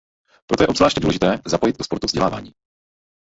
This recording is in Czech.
Proto je obzvláště důležité zapojit do sportu vdělávání.